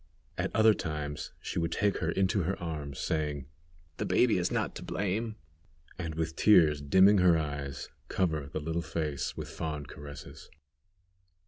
At other times she would take her in her arms, saying: "The baby is not to blame," and with tears dimming her eyes, cover the little face with fond caresses.